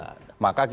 maka kita akan tahu